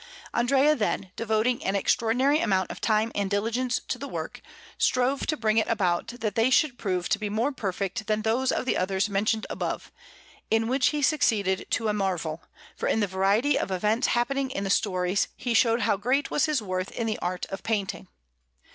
Andrea, then, devoting an extraordinary amount of time and diligence to the work, strove to bring it about that they should prove to be more perfect than those of the others mentioned above; in which he succeeded to a marvel, for in the variety of events happening in the stories he showed how great was his worth in the art of painting.